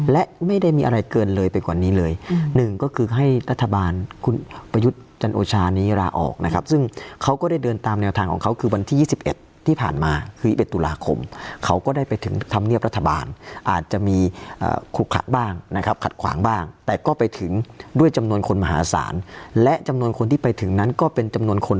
และไม่ได้มีอะไรเกินเลยไปกว่านี้เลยหนึ่งก็คือให้รัฐบาลคุณประยุทธ์จันโอชานี้ลาออกนะครับซึ่งเขาก็ได้เดินตามแนวทางของเขาคือวันที่๒๑ที่ผ่านมาคือ๒๑ตุลาคมเขาก็ได้ไปถึงธรรมเนียบรัฐบาลอาจจะมีขุขระบ้างนะครับขัดขวางบ้างแต่ก็ไปถึงด้วยจำนวนคนมหาศาลและจำนวนคนที่ไปถึงนั้นก็เป็นจำนวนคน